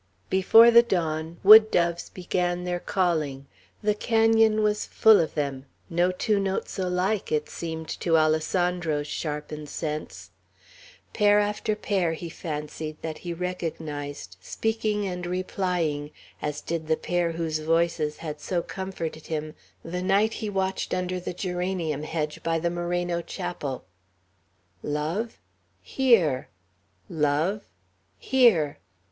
Before the dawn, wood doves began their calling. The canon was full of them, no two notes quite alike, it seemed to Alessandro's sharpened sense; pair after pair, he fancied that he recognized, speaking and replying, as did the pair whose voices had so comforted him the night he watched under the geranium hedge by the Moreno chapel, "Love?" "Here!" "Love?" "Here!"